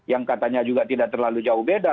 yang katanya juga tidak terlalu jauh beda